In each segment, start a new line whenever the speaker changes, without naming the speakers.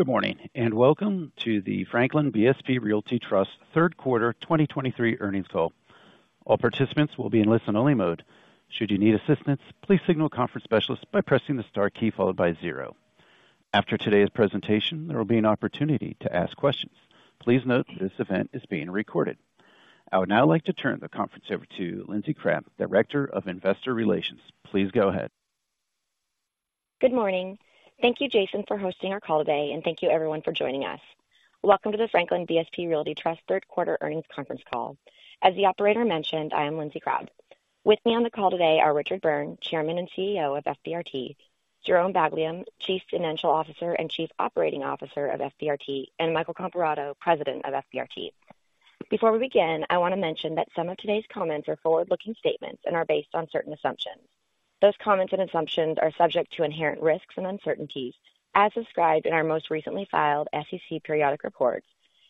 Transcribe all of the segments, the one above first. Good morning, and welcome to the Franklin BSP Realty Trust third quarter 2023 earnings call. All participants will be in listen-only mode. Should you need assistance, please signal a conference specialist by pressing the star key followed by zero. After today's presentation, there will be an opportunity to ask questions. Please note this event is being recorded. I would now like to turn the conference over to Lindsey Crabbe, Director of Investor Relations. Please go ahead.
Good morning. Thank you, Jason, for hosting our call today, and thank you everyone for joining us. Welcome to the Franklin BSP Realty Trust third quarter earnings conference call. As the operator mentioned, I am Lindsey Crabbe. With me on the call today are Richard Byrne, Chairman and CEO of FBRT, Jerome Baglien, Chief Financial Officer and Chief Operating Officer of FBRT, and Michael Comparato, President of FBRT. Before we begin, I want to mention that some of today's comments are forward-looking statements and are based on certain assumptions. Those comments and assumptions are subject to inherent risks and uncertainties as described in our most recently filed SEC periodic reports,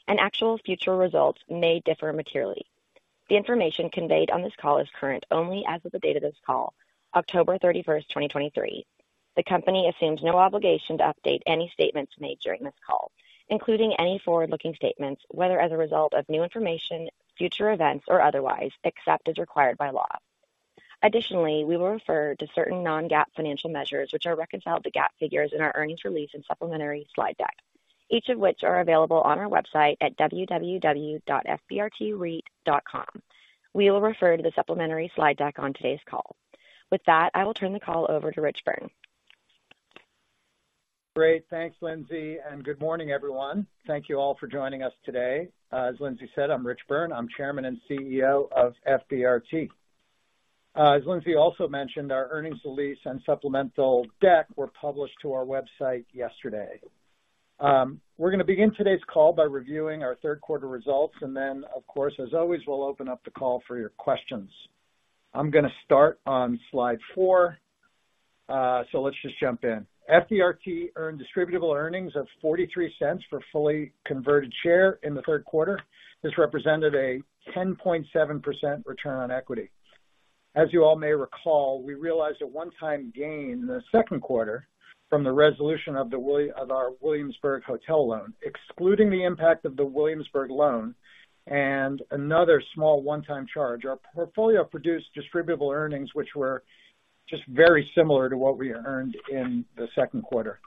and actual future results may differ materially. The information conveyed on this call is current only as of the date of this call, October 31st, 2023. The company assumes no obligation to update any statements made during this call, including any forward-looking statements, whether as a result of new information, future events, or otherwise, except as required by law. Additionally, we will refer to certain non-GAAP financial measures, which are reconciled to GAAP figures in our earnings release and supplementary slide deck, each of which are available on our website at www.fbrtreit.com. We will refer to the supplementary slide deck on today's call. With that, I will turn the call over to Rich Byrne.
Great. Thanks, Lindsey, and good morning, everyone. Thank you all for joining us today. As Lindsey said, I'm Rich Byrne. I'm Chairman and CEO of FBRT. As Lindsey also mentioned, our earnings release and supplemental deck were published to our website yesterday. We're going to begin today's call by reviewing our third quarter results, and then, of course, as always, we'll open up the call for your questions. I'm going to start on slide four. So let's just jump in. FBRT earned distributable earnings of $0.43 per fully converted share in the third quarter. This represented a 10.7% return on equity. As you all may recall, we realized a one-time gain in the second quarter from the resolution of our Williamsburg hotel loan. Excluding the impact of the Williamsburg loan and another small one-time charge, our portfolio produced distributable earnings, which were just very similar to what we earned in the second quarter.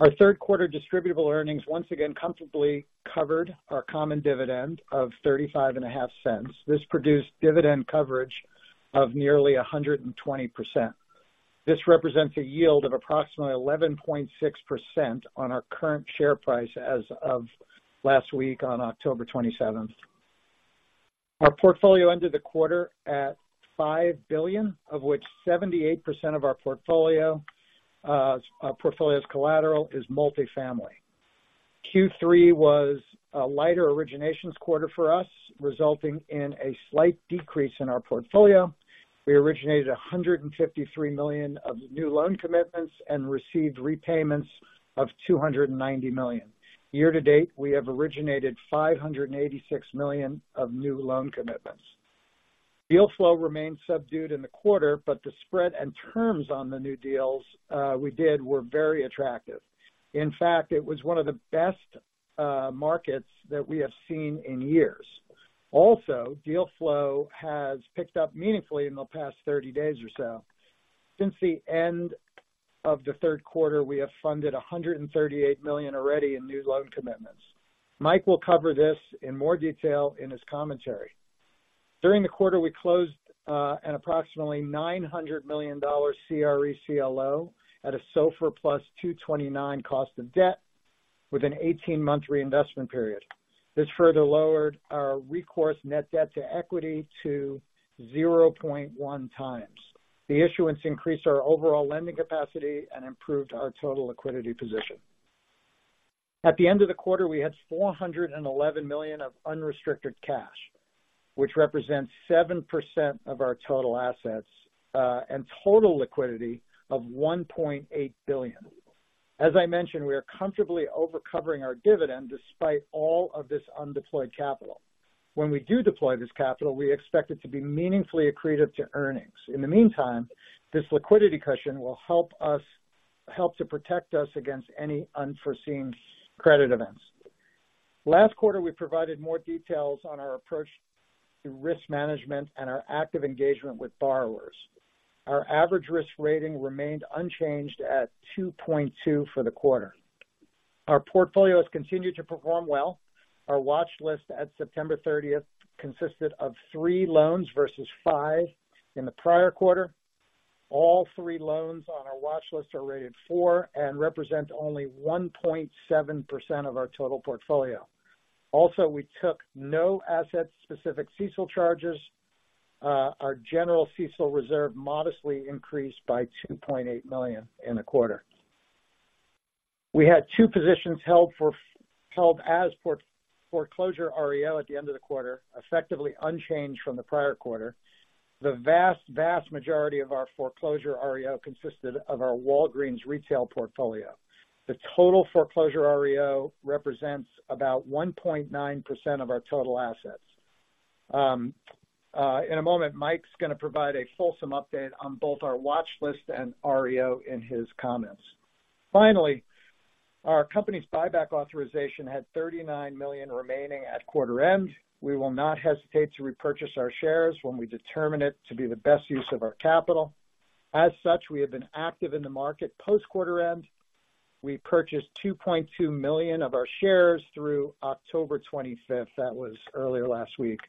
Our third quarter distributable earnings once again comfortably covered our common dividend of $0.355. This produced dividend coverage of nearly 120%. This represents a yield of approximately 11.6% on our current share price as of last week on October 27th. Our portfolio ended the quarter at $5 billion, of which 78% of our portfolio's collateral is multifamily. Q3 was a lighter originations quarter for us, resulting in a slight decrease in our portfolio. We originated $153 million of new loan commitments and received repayments of $290 million. Year to date, we have originated $586 million of new loan commitments. Deal flow remained subdued in the quarter, but the spread and terms on the new deals we did were very attractive. In fact, it was one of the best markets that we have seen in years. Also, deal flow has picked up meaningfully in the past 30 days or so. Since the end of the third quarter, we have funded $138 million already in new loan commitments. Mike will cover this in more detail in his commentary. During the quarter, we closed an approximately $900 million CRE CLO at a SOFR + 229 cost of debt with an 18-month reinvestment period. This further lowered our recourse net debt to equity to 0.1 times. The issuance increased our overall lending capacity and improved our total liquidity position. At the end of the quarter, we had $411 million of unrestricted cash, which represents 7% of our total assets, and total liquidity of $1.8 billion. As I mentioned, we are comfortably over-covering our dividend despite all of this undeployed capital. When we do deploy this capital, we expect it to be meaningfully accretive to earnings. In the meantime, this liquidity cushion will help to protect us against any unforeseen credit events. Last quarter, we provided more details on our approach to risk management and our active engagement with borrowers. Our average risk rating remained unchanged at 2.2 for the quarter. Our portfolio has continued to perform well. Our watch list at September 30 consisted of three loans versus five in the prior quarter. All three loans on our watch list are rated four and represent only 1.7% of our total portfolio. Also, we took no asset-specific CECL charges. Our general CECL reserve modestly increased by $2.8 million in the quarter. We had two positions held as foreclosure REO at the end of the quarter, effectively unchanged from the prior quarter. The vast, vast majority of our foreclosure REO consisted of our Walgreens retail portfolio. The total foreclosure REO represents about 1.9% of our total assets. In a moment, Mike's going to provide a fulsome update on both our watch list and REO in his comments. Finally, our company's buyback authorization had $39 million remaining at quarter end. We will not hesitate to repurchase our shares when we determine it to be the best use of our capital. As such, we have been active in the market post-quarter end. We purchased 2.2 million of our shares through October 25th. That was earlier last week.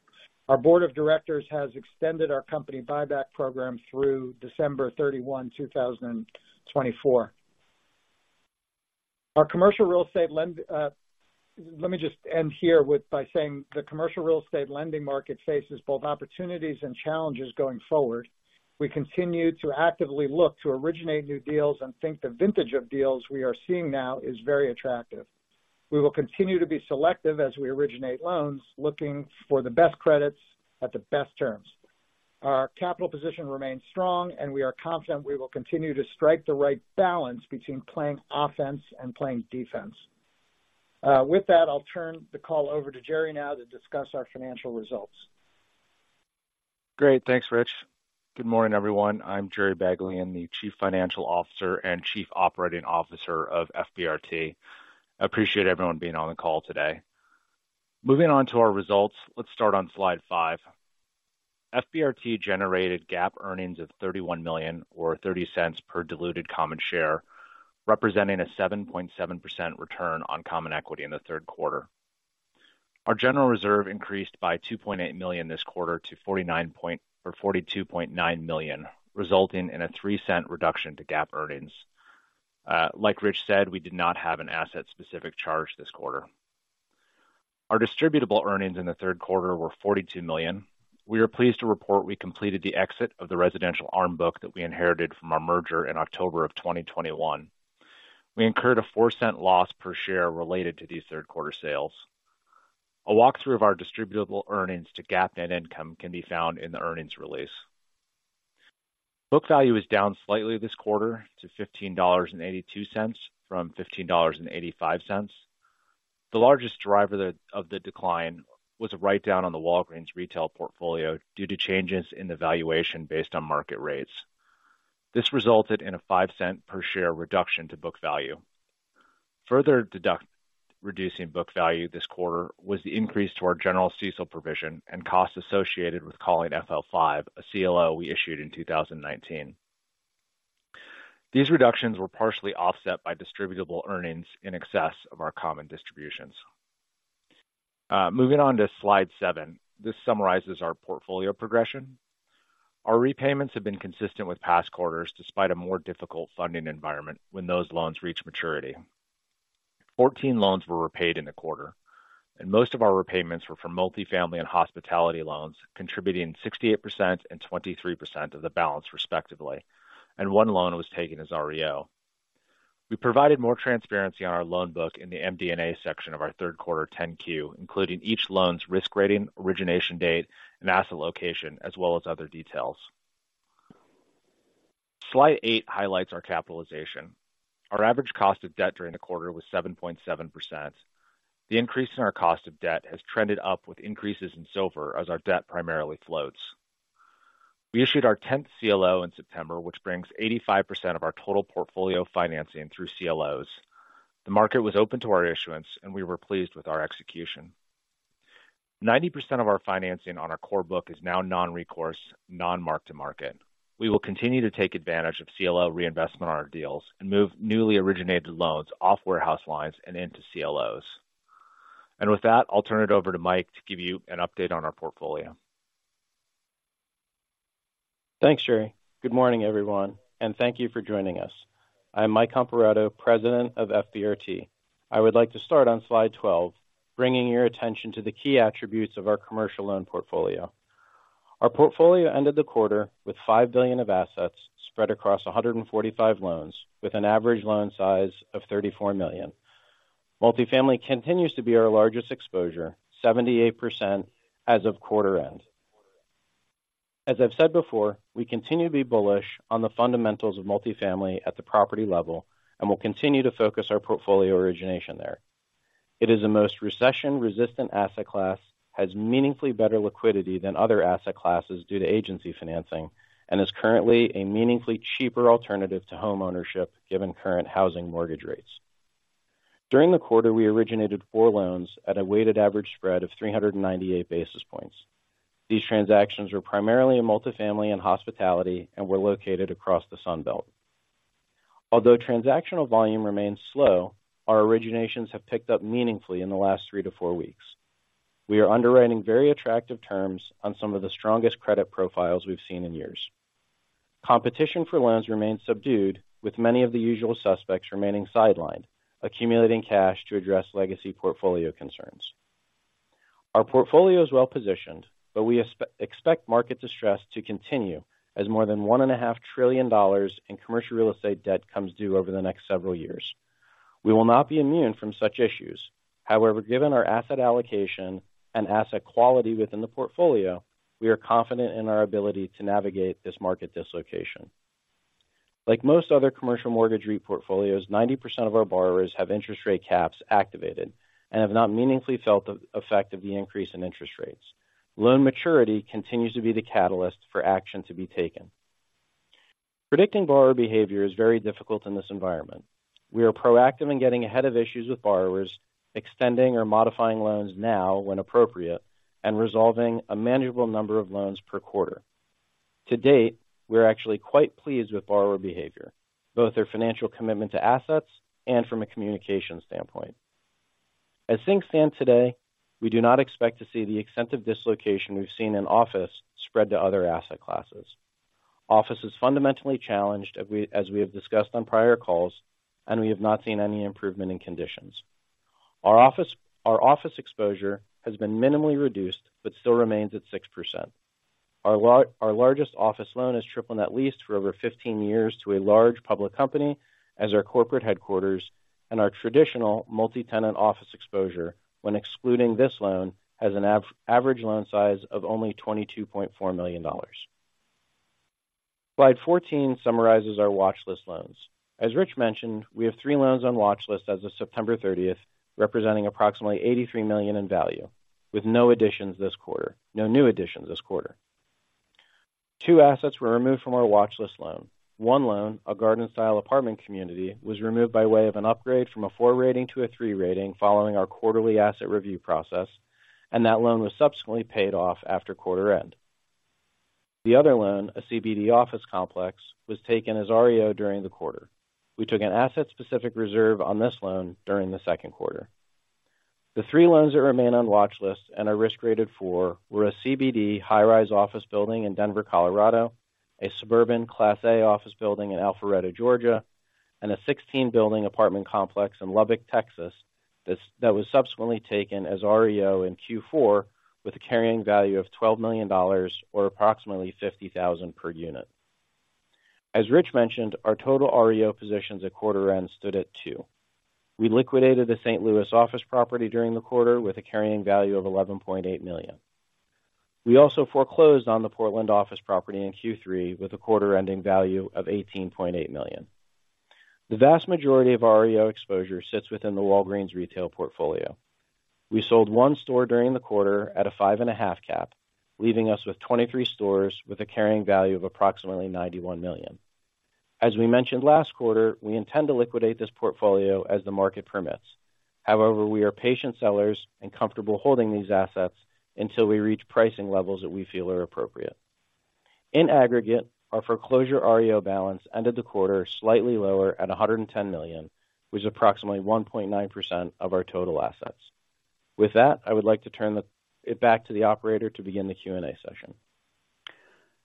Our board of directors has extended our company buyback program through December 31, 2024. Our commercial real estate lend, let me just end here with by saying the commercial real estate lending market faces both opportunities and challenges going forward. We continue to actively look to originate new deals and think the vintage of deals we are seeing now is very attractive. We will continue to be selective as we originate loans, looking for the best credits at the best terms. Our capital position remains strong, and we are confident we will continue to strike the right balance between playing offense and playing defense. With that, I'll turn the call over to Jerry now to discuss our financial results.
Great. Thanks, Rich. Good morning, everyone. I'm Jerome Baglien, I'm the Chief Financial Officer and Chief Operating Officer of FBRT. I appreciate everyone being on the call today. Moving on to our results. Let's start on slide five. FBRT generated GAAP earnings of $31 million, or $0.30 per diluted common share, representing a 7.7% return on common equity in the third quarter. Our general reserve increased by $2.8 million this quarter to $42.9 million, resulting in a $0.03 reduction to GAAP earnings. Like Rich said, we did not have an asset-specific charge this quarter. Our distributable earnings in the third quarter were $42 million. We are pleased to report we completed the exit of the residential ARM book that we inherited from our merger in October of 2021. We incurred a $0.04 loss per share related to these third quarter sales. A walkthrough of our distributable earnings to GAAP net income can be found in the earnings release. Book value is down slightly this quarter to $15.82 from $15.85. The largest driver of the decline was a write-down on the Walgreens retail portfolio due to changes in the valuation based on market rates. This resulted in a $0.05 per share reduction to book value. Further reducing book value this quarter was the increase to our general CECL provision and costs associated with calling FL5, a CLO we issued in 2019. These reductions were partially offset by distributable earnings in excess of our common distributions. Moving on to slide seven. This summarizes our portfolio progression. Our repayments have been consistent with past quarters, despite a more difficult funding environment when those loans reach maturity. 14 loans were repaid in the quarter, and most of our repayments were from multifamily and hospitality loans, contributing 68% and 23% of the balance, respectively, and one loan was taken as REO. We provided more transparency on our loan book in the MD&A section of our third quarter 10-Q, including each loan's risk rating, origination date, and asset location, as well as other details. Slide eight highlights our capitalization. Our average cost of debt during the quarter was 7.7%. The increase in our cost of debt has trended up with increases in SOFR as our debt primarily floats. We issued our 10th CLO in September, which brings 85% of our total portfolio financing through CLOs. The market was open to our issuance and we were pleased with our execution. 90% of our financing on our core book is now non-recourse, non-mark-to-market. We will continue to take advantage of CLO reinvestment on our deals and move newly originated loans off warehouse lines and into CLOs. With that, I'll turn it over to Mike to give you an update on our portfolio.
Thanks, Jerry. Good morning, everyone, and thank you for joining us. I'm Mike Comparato, President of FBRT. I would like to start on slide 12, bringing your attention to the key attributes of our commercial loan portfolio. Our portfolio ended the quarter with $5 billion of assets spread across 145 loans, with an average loan size of $34 million. Multifamily continues to be our largest exposure, 78% as of quarter end. As I've said before, we continue to be bullish on the fundamentals of multifamily at the property level and will continue to focus our portfolio origination there. It is the most recession-resistant asset class, has meaningfully better liquidity than other asset classes due to agency financing, and is currently a meaningfully cheaper alternative to homeownership, given current housing mortgage rates. During the quarter, we originated four loans at a weighted average spread of 398 basis points. These transactions were primarily in multifamily and hospitality and were located across the Sun Belt. Although transactional volume remains slow, our originations have picked up meaningfully in the last three-four weeks. We are underwriting very attractive terms on some of the strongest credit profiles we've seen in years. Competition for loans remains subdued, with many of the usual suspects remaining sidelined, accumulating cash to address legacy portfolio concerns. Our portfolio is well positioned, but we expect market distress to continue as more than $1.5 trillion in commercial real estate debt comes due over the next several years. We will not be immune from such issues. However, given our asset allocation and asset quality within the portfolio, we are confident in our ability to navigate this market dislocation. Like most other commercial mortgage REIT portfolios, 90% of our borrowers have interest rate caps activated and have not meaningfully felt the effect of the increase in interest rates. Loan maturity continues to be the catalyst for action to be taken. Predicting borrower behavior is very difficult in this environment. We are proactive in getting ahead of issues with borrowers, extending or modifying loans now when appropriate, and resolving a manageable number of loans per quarter. To date, we're actually quite pleased with borrower behavior, both their financial commitment to assets and from a communication standpoint. As things stand today, we do not expect to see the extent of dislocation we've seen in office spread to other asset classes. Office is fundamentally challenged, as we have discussed on prior calls, and we have not seen any improvement in conditions. Our office exposure has been minimally reduced but still remains at 6%. Our largest office loan is triple net leased for over 15 years to a large public company as our corporate headquarters and our traditional multi-tenant office exposure, when excluding this loan, has an average loan size of only $22.4 million. Slide 14 summarizes our watch list loans. As Rich mentioned, we have three loans on watch list as of September 30th, representing approximately $83 million in value, with no additions this quarter no new additions this quarter. Two assets were removed from our watch list loan. One loan, a garden-style apartment community, was removed by way of an upgrade from a four rating to a three rating following our quarterly asset review process, and that loan was subsequently paid off after quarter end. The other loan, a CBD office complex, was taken as REO during the quarter. We took an asset-specific reserve on this loan during the second quarter. The three loans that remain on watch list and are risk graded four were a CBD high-rise office building in Denver, Colorado, a suburban Class A office building in Alpharetta, Georgia, and a 16-building apartment complex in Lubbock, Texas, that was subsequently taken as REO in Q4 with a carrying value of $12 million or approximately $50,000 per unit. As Rich mentioned, our total REO positions at quarter end stood at two. We liquidated the St. Louis office property during the quarter with a carrying value of $11.8 million. We also foreclosed on the Portland office property in Q3 with a quarter-ending value of $18.8 million. The vast majority of our REO exposure sits within the Walgreens retail portfolio. We sold one store during the quarter at a 5.5 cap, leaving us with 23 stores with a carrying value of approximately $91 million. As we mentioned last quarter, we intend to liquidate this portfolio as the market permits. However, we are patient sellers and comfortable holding these assets until we reach pricing levels that we feel are appropriate. In aggregate, our foreclosure REO balance ended the quarter slightly lower at $110 million, which is approximately 1.9% of our total assets. With that, I would like to turn it back to the operator to begin the Q&A session.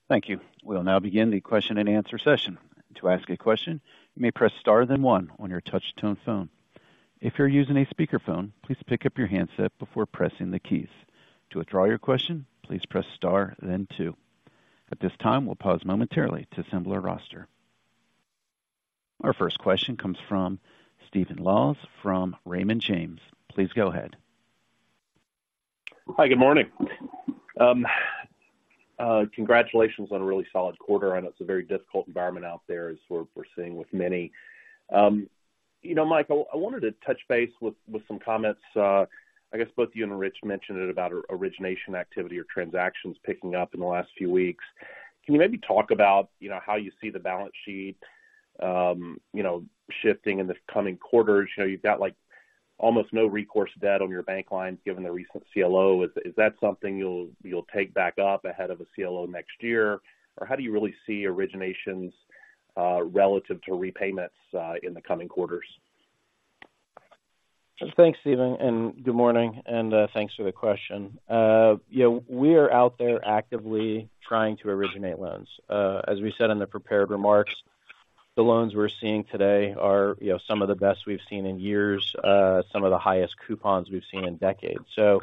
Thank you. We'll now begin the question-and-answer session. To ask a question, you may press star then one on your touch tone phone. If you're using a speakerphone, please pick up your handset before pressing the keys. To withdraw your question, please press star then two. At this time, we'll pause momentarily to assemble our roster. Our first question comes from Stephen Laws from Raymond James. Please go ahead.
Hi, good morning. Congratulations on a really solid quarter. I know it's a very difficult environment out there, as we're seeing with many. You know, Mike, I wanted to touch base with some comments. I guess both you and Rich mentioned it about origination activity or transactions picking up in the last few weeks. Can you maybe talk about, you know, how you see the balance sheet, you know, shifting in the coming quarters? You know, you've got, like, almost no recourse debt on your bank lines given the recent CLO. Is that something you'll take back up ahead of a CLO next year? Or how do you really see originations relative to repayments in the coming quarters?
Thanks, Steven, and good morning, and thanks for the question. You know, we are out there actively trying to originate loans. As we said in the prepared remarks, the loans we're seeing today are, you know, some of the best we've seen in years, some of the highest coupons we've seen in decades. So,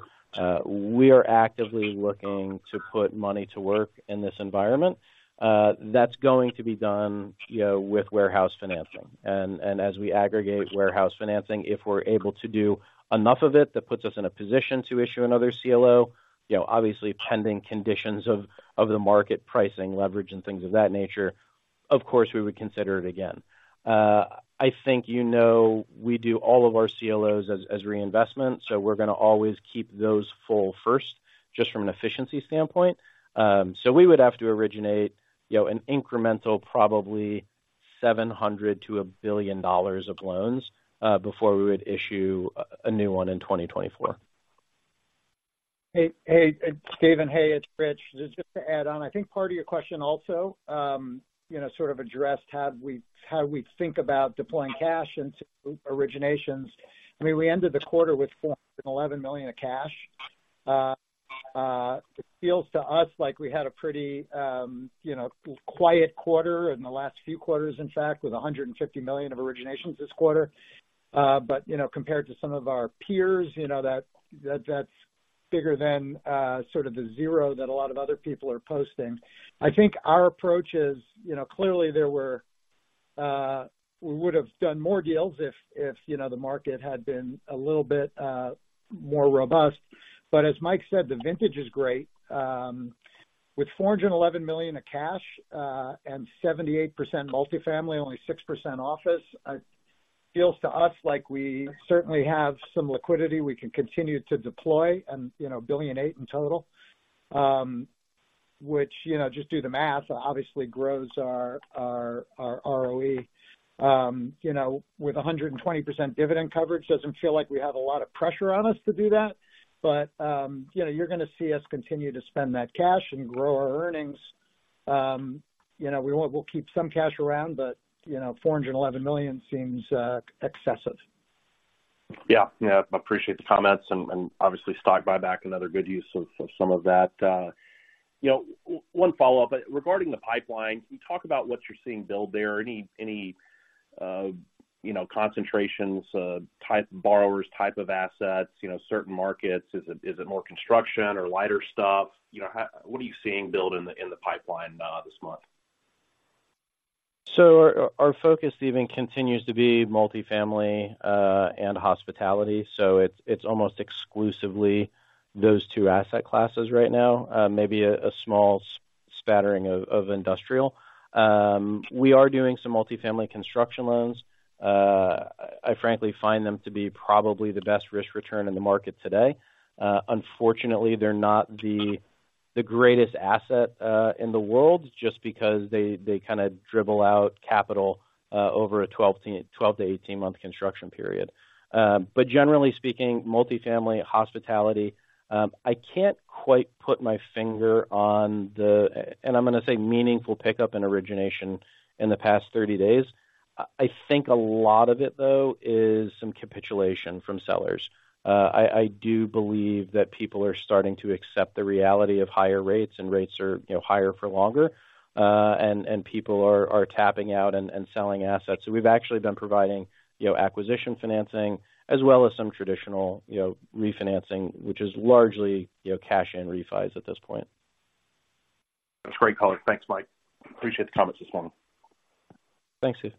we are actively looking to put money to work in this environment. That's going to be done, you know, with warehouse financing. And as we aggregate warehouse financing, if we're able to do enough of it, that puts us in a position to issue another CLO, you know, obviously pending conditions of the market pricing, leverage, and things of that nature, of course, we would consider it again. I think you know, we do all of our CLOs as reinvestments, so we're going to always keep those full first, just from an efficiency standpoint. So we would have to originate, you know, an incremental probably $700 million-$1 billion of loans, before we would issue a new one in 2024.
Hey, hey, it's Steven. Hey, it's Rich. Just to add on, I think part of your question also, you know, sort of addressed how we think about deploying cash into originations. I mean, we ended the quarter with $411 million of cash. It feels to us like we had a pretty, you know, quiet quarter in the last few quarters, in fact, with $150 million of originations this quarter. But, you know, compared to some of our peers, you know, that, that's bigger than, sort of the zero that a lot of other people are posting. I think our approach is, you know, clearly there were, we would have done more deals if, if, you know, the market had been a little bit, more robust. But as Mike said, the vintage is great. With $411 million in cash and 78% multifamily, only 6% office, feels to us like we certainly have some liquidity we can continue to deploy and, you know, $1.8 billion in total. Which, you know, just do the math, obviously grows our ROE. You know, with 120% dividend coverage, doesn't feel like we have a lot of pressure on us to do that. But, you know, you're going to see us continue to spend that cash and grow our earnings. You know, we want we'll keep some cash around, but, you know, $411 million seems excessive.
Yeah. Yeah, I appreciate the comments and, and obviously, stock buyback, another good use of, of some of that. You know, one follow-up. Regarding the pipeline, can you talk about what you're seeing build there? Any, you know, concentrations, type of borrowers, type of assets, you know, certain markets? Is it, is it more construction or lighter stuff? You know, how what are you seeing build in the, in the pipeline this month?
So our focus even continues to be multifamily and hospitality. So it's almost exclusively those two asset classes right now. Maybe a small spattering of industrial. We are doing some multifamily construction loans. I frankly find them to be probably the best risk return in the market today. Unfortunately, they're not the greatest asset in the world just because they kind of dribble out capital over a 12-18-month construction period. But generally speaking, multifamily, hospitality, I can't quite put my finger on the and I'm going to say meaningful pickup in origination in the past 30 days. I think a lot of it, though, is some capitulation from sellers. I do believe that people are starting to accept the reality of higher rates, and rates are, you know, higher for longer, and people are tapping out and selling assets. So we've actually been providing, you know, acquisition financing as well as some traditional, you know, refinancing, which is largely, you know, cash in refis at this point.
That's great color. Thanks, Mike. Appreciate the comments this morning.
Thanks, Steve.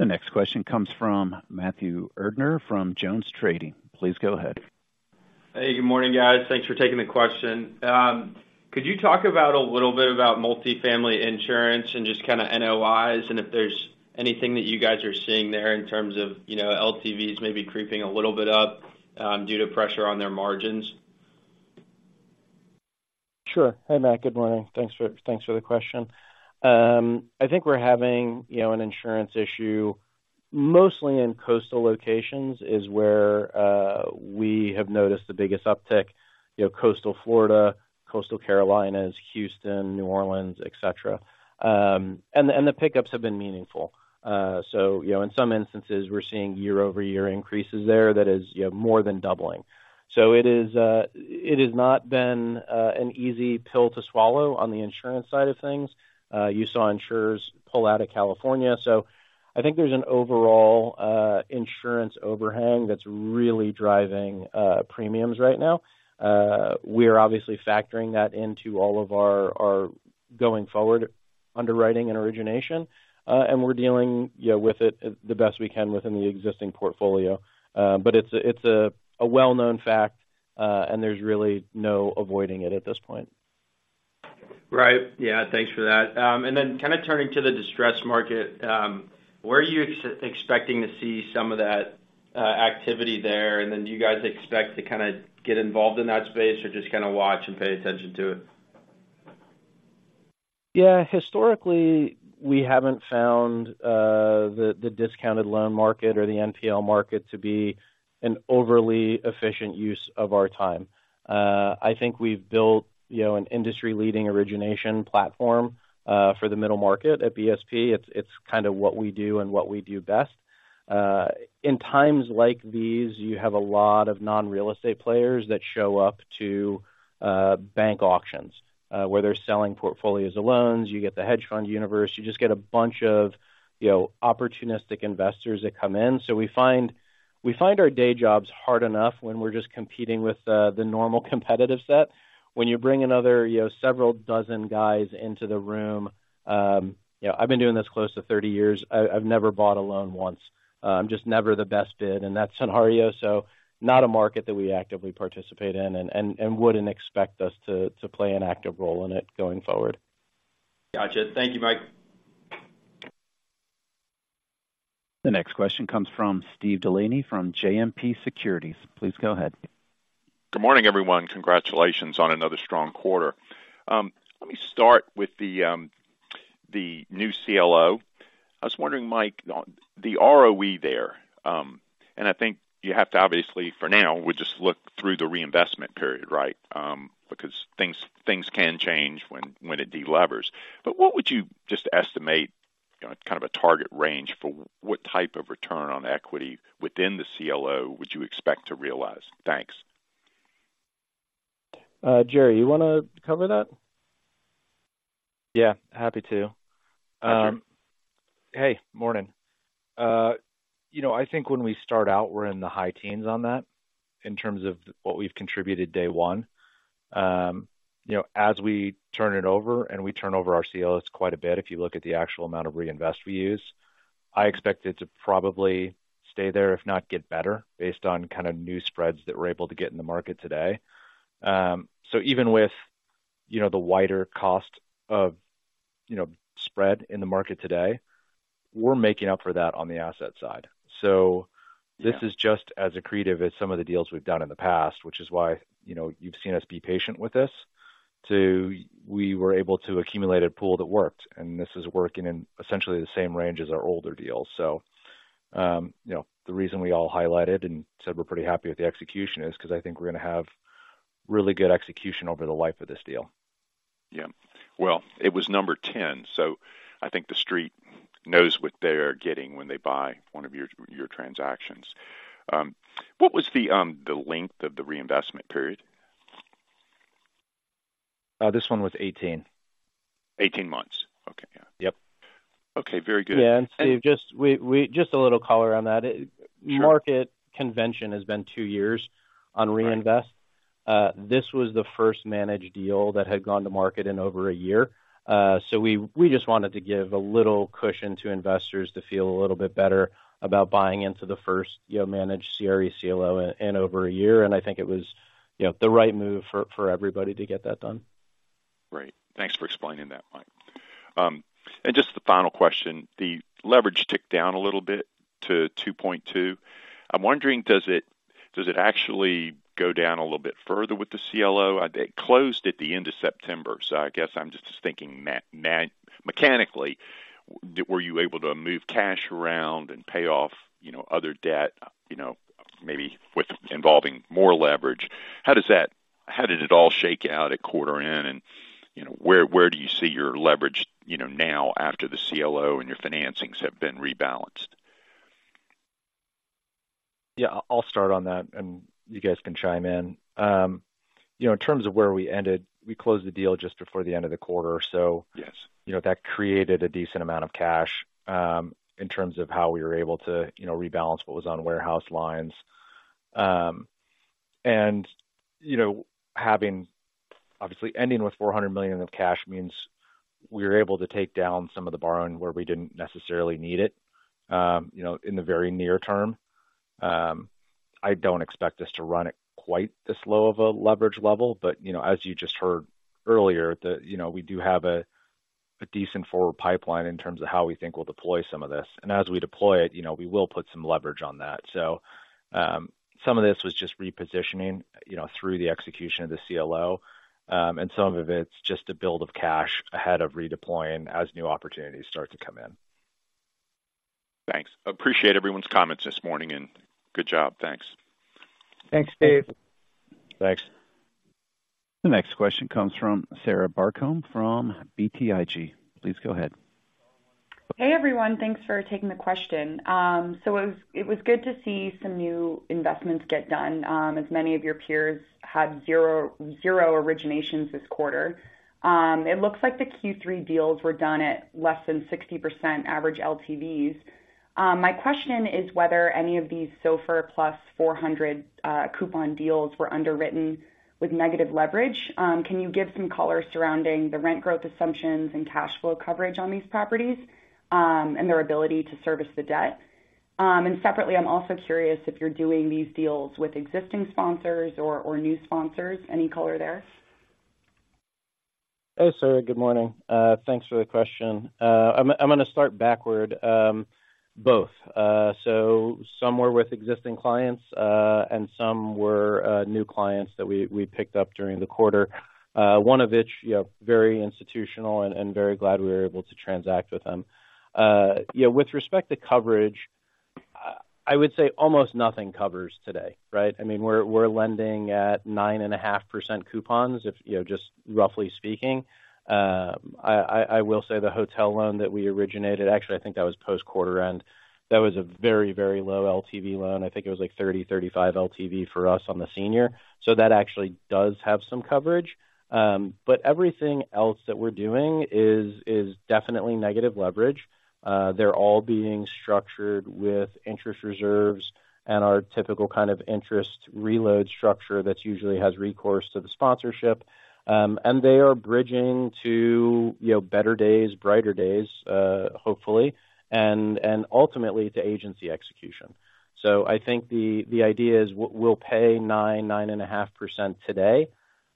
The next question comes from Matthew Erdner from JonesTrading. Please go ahead.
Hey, good morning, guys. Thanks for taking the question. Could you talk about a little bit about multifamily insurance and just kind of NOIs and if there's anything that you guys are seeing there in terms of, you know, LTVs maybe creeping a little bit up, due to pressure on their margins?
Sure. Hey, Matt, good morning. Thanks for, thanks for the question. I think we're having, you know, an insurance issue mostly in coastal locations, is where we have noticed the biggest uptick. You know, coastal Florida, coastal Carolinas, Houston, New Orleans, et cetera. And the pickups have been meaningful. So, you know, in some instances, we're seeing year-over-year increases there that is, you know, more than doubling. So it is, it has not been an easy pill to swallow on the insurance side of things. You saw insurers pull out of California, so I think there's an overall insurance overhang that's really driving premiums right now. We are obviously factoring that into all of our, our going forward underwriting and origination. And we're dealing, you know, with it the best we can within the existing portfolio. But it's a well-known fact, and there's really no avoiding it at this point.
Right. Yeah, thanks for that. And then kind of turning to the distressed market, where are you expecting to see some of that activity there? And then, do you guys expect to kind of get involved in that space or just kind of watch and pay attention to it?
Yeah, historically, we haven't found the discounted loan market or the NPL market to be an overly efficient use of our time. I think we've built, you know, an industry-leading origination platform for the middle market at BSP. It's kind of what we do and what we do best. In times like these, you have a lot of non-real estate players that show up to bank auctions where they're selling portfolios of loans. You get the hedge fund universe. You just get a bunch of, you know, opportunistic investors that come in. So we find our day jobs hard enough when we're just competing with the normal competitive set. When you bring another, you know, several dozen guys into the room, you know, I've been doing this close to 30 years. I've never bought a loan once. Just never the best bid, and that's scenario. So not a market that we actively participate in and wouldn't expect us to play an active role in it going forward.
Gotcha. Thank you, Mike.
The next question comes from Steve Delaney from JMP Securities. Please go ahead.
Good morning, everyone. Congratulations on another strong quarter. Let me start with the new CLO. I was wondering, Mike, the ROE there, and I think you have to obviously, for now, we just look through the reinvestment period, right? Because things can change when it de-levers. But what would you just estimate, you know, kind of a target range for what type of return on equity within the CLO would you expect to realize? Thanks.
Jerry, you want to cover that?
Yeah, happy to.
Hi, Jerry.
Hey, morning. You know, I think when we start out, we're in the high teens on that in terms of what we've contributed day one. You know, as we turn it over and we turn over our CLOs quite a bit, if you look at the actual amount of reinvest we use.... I expect it to probably stay there, if not get better, based on kind of new spreads that we're able to get in the market today. So even with, you know, the wider cost of, you know, spread in the market today, we're making up for that on the asset side. So
Yeah.
This is just as accretive as some of the deals we've done in the past, which is why, you know, you've seen us be patient with this. We were able to accumulate a pool that worked, and this is working in essentially the same range as our older deals. So, you know, the reason we all highlighted and said we're pretty happy with the execution is because I think we're going to have really good execution over the life of this deal.
Yeah. Well, it was number 10, so I think the street knows what they're getting when they buy one of your transactions. What was the length of the reinvestment period?
This one was 18.
18 months. Okay, yeah.
Yep.
Okay, very good.
Yeah, and Steve, just a little color on that.
Sure.
Market convention has been two years on reinvest.
Right.
This was the first managed deal that had gone to market in over a year. So we just wanted to give a little cushion to investors to feel a little bit better about buying into the first, you know, managed CRE CLO in over a year. And I think it was, you know, the right move for everybody to get that done.
Great. Thanks for explaining that, Mike. Just the final question, the leverage ticked down a little bit to 2.2. I'm wondering, does it actually go down a little bit further with the CLO? It closed at the end of September, so I guess I'm just thinking mechanically, were you able to move cash around and pay off, you know, other debt, you know, maybe with involving more leverage? How does that, how did it all shake out at quarter end? And, you know, where, where do you see your leverage, you know, now after the CLO and your financings have been rebalanced?
Yeah, I'll start on that, and you guys can chime in. You know, in terms of where we ended, we closed the deal just before the end of the quarter. So
Yes...
you know, that created a decent amount of cash in terms of how we were able to, you know, rebalance what was on warehouse lines. And, you know, having obviously ending with $400 million of cash means we were able to take down some of the borrowing where we didn't necessarily need it, you know, in the very near term. I don't expect us to run at quite this low of a leverage level, but, you know, as you just heard earlier, that, you know, we do have a decent forward pipeline in terms of how we think we'll deploy some of this. And as we deploy it, you know, we will put some leverage on that. So, some of this was just repositioning, you know, through the execution of the CLO, and some of it's just a build of cash ahead of redeploying as new opportunities start to come in.
Thanks. Appreciate everyone's comments this morning, and good job. Thanks.
Thanks, Steve.
Thanks.
The next question comes from Sarah Barcomb, from BTIG. Please go ahead.
Hey, everyone. Thanks for taking the question. So it was, it was good to see some new investments get done, as many of your peers had 0, 0 originations this quarter. It looks like the Q3 deals were done at less than 60% average LTVs. My question is whether any of these SOFR + 400, coupon deals were underwritten with negative leverage. Can you give some color surrounding the rent growth assumptions and cash flow coverage on these properties, and their ability to service the debt? And separately, I'm also curious if you're doing these deals with existing sponsors or, or new sponsors. Any color there?
Hey, Sarah. Good morning. Thanks for the question. I'm going to start backward. Both. So some were with existing clients, and some were new clients that we picked up during the quarter. One of which, you know, very institutional and very glad we were able to transact with them. Yeah, with respect to coverage, I would say almost nothing covers today, right? I mean, we're lending at 9.5% coupons if, you know, just roughly speaking. I will say the hotel loan that we originated, actually, I think that was post quarter end. That was a very, very low LTV loan. I think it was like 30-35 LTV for us on the senior. So that actually does have some coverage. But everything else that we're doing is definitely negative leverage. They're all being structured with interest reserves and our typical kind of interest reload structure that usually has recourse to the sponsorship. And they are bridging to, you know, better days, brighter days, hopefully, and ultimately to agency execution. So I think the idea is we'll pay 9-9.5% today.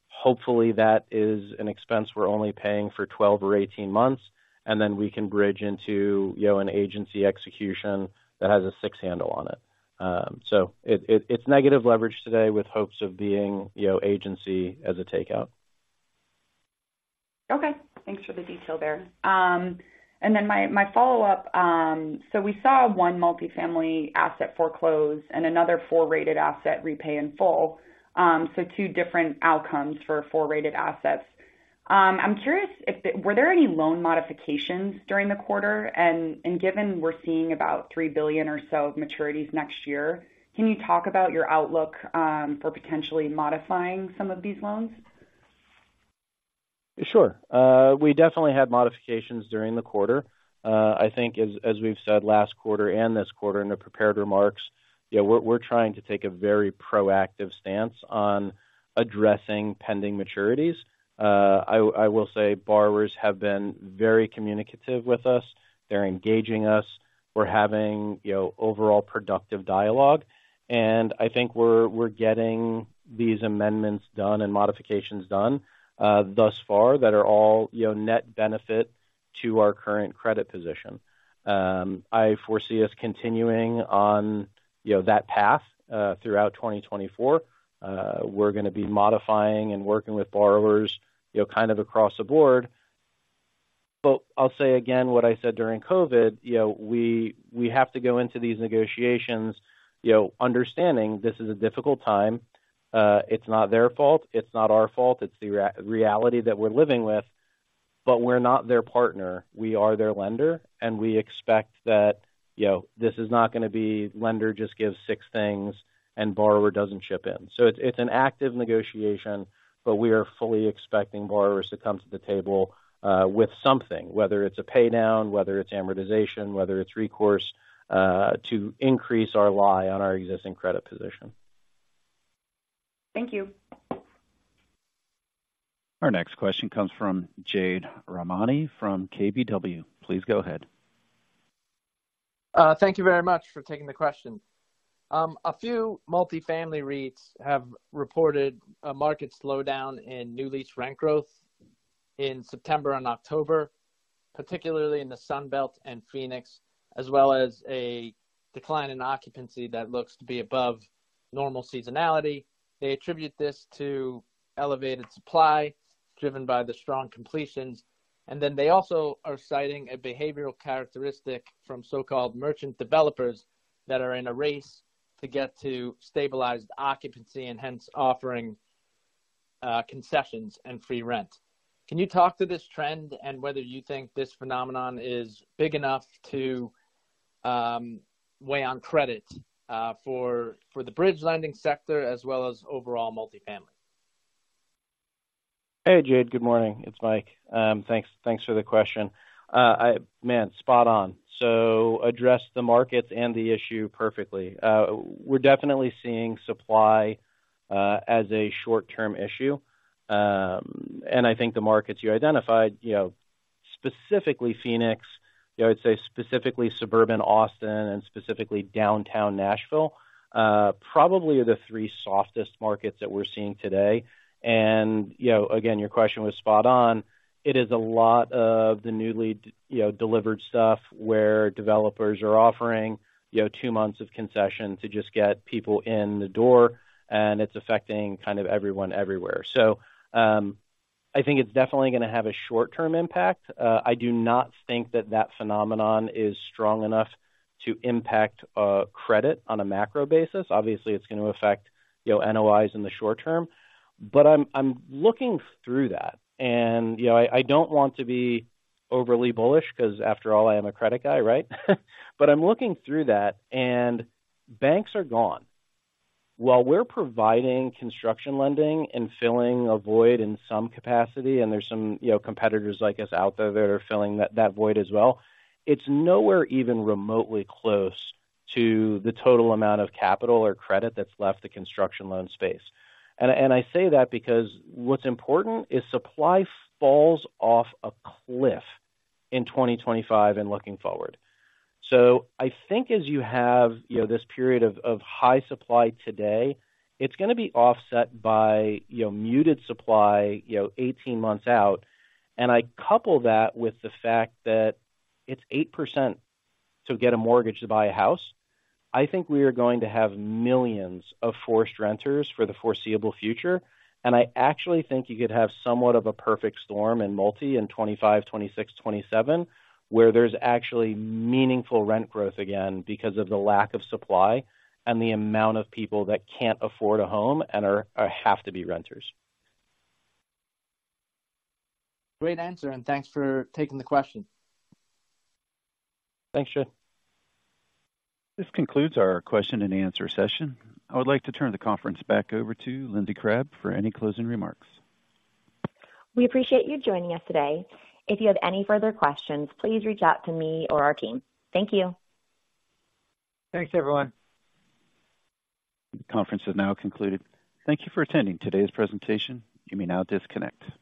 Hopefully, that is an expense we're only paying for 12 or 18 months, and then we can bridge into, you know, an agency execution that has a six handle on it. So it, it's negative leverage today with hopes of being, you know, agency as a takeout.
Okay, thanks for the detail there. And then my follow-up. So we saw one multifamily asset foreclose and another four-rated asset repay in full. So two different outcomes for four-rated assets. I'm curious if there were any loan modifications during the quarter? And given we're seeing about $3 billion or so of maturities next year, can you talk about your outlook for potentially modifying some of these loans?
Sure. We definitely had modifications during the quarter. I think as we've said last quarter and this quarter in the prepared remarks... Yeah, we're trying to take a very proactive stance on addressing pending maturities. I will say borrowers have been very communicative with us. They're engaging us. We're having, you know, overall productive dialogue, and I think we're getting these amendments done and modifications done, thus far, that are all, you know, net benefit to our current credit position. I foresee us continuing on, you know, that path, throughout 2024. We're gonna be modifying and working with borrowers, you know, kind of across the board. But I'll say again, what I said during COVID, you know, we have to go into these negotiations, you know, understanding this is a difficult time. It's not their fault, it's not our fault, it's the reality that we're living with, but we're not their partner, we are their lender. And we expect that, you know, this is not gonna be lender just gives six things and borrower doesn't chip in. So it's an active negotiation, but we are fully expecting borrowers to come to the table with something, whether it's a pay down, whether it's amortization, whether it's recourse to increase our LTV on our existing credit position.
Thank you.
Our next question comes from Jade Rahmani from KBW. Please go ahead.
Thank you very much for taking the question. A few multifamily REITs have reported a market slowdown in new lease rent growth in September and October, particularly in the Sun Belt and Phoenix, as well as a decline in occupancy that looks to be above normal seasonality. They attribute this to elevated supply, driven by the strong completions, and then they also are citing a behavioral characteristic from so-called merchant developers that are in a race to get to stabilized occupancy and hence offering concessions and free rent. Can you talk to this trend and whether you think this phenomenon is big enough to weigh on credit for the bridge lending sector as well as overall multifamily?
Hey, Jade. Good morning. It's Mike. Thanks, thanks for the question. I... Man, spot on. So addressed the markets and the issue perfectly. We're definitely seeing supply as a short-term issue. And I think the markets you identified, you know, specifically Phoenix, you know, I'd say specifically suburban Austin and specifically downtown Nashville probably are the three softest markets that we're seeing today. And, you know, again, your question was spot on. It is a lot of the newly, you know, delivered stuff where developers are offering, you know, two months of concession to just get people in the door, and it's affecting kind of everyone everywhere. So, I think it's definitely gonna have a short-term impact. I do not think that, that phenomenon is strong enough to impact credit on a macro basis. Obviously, it's gonna affect, you know, NOIs in the short term. But I'm looking through that, and, you know, I don't want to be overly bullish, 'cause after all, I am a credit guy, right? But I'm looking through that, and banks are gone. While we're providing construction lending and filling a void in some capacity, and there's some, you know, competitors like us out there that are filling that void as well, it's nowhere even remotely close to the total amount of capital or credit that's left the construction loan space. And I say that because what's important is supply falls off a cliff in 2025 and looking forward. So I think as you have, you know, this period of high supply today, it's gonna be offset by, you know, muted supply, you know, 18 months out. And I couple that with the fact that it's 8% to get a mortgage to buy a house. I think we are going to have millions of forced renters for the foreseeable future, and I actually think you could have somewhat of a perfect storm in multi in 2025, 2026, 2027, where there's actually meaningful rent growth again because of the lack of supply and the amount of people that can't afford a home and are have to be renters.
Great answer, and thanks for taking the question.
Thanks, Jade.
This concludes our question-and-answer session. I would like to turn the conference back over to Lindsey Crabbe for any closing remarks.
We appreciate you joining us today. If you have any further questions, please reach out to me or our team. Thank you.
Thanks, everyone.
The conference is now concluded. Thank you for attending today's presentation. You may now disconnect.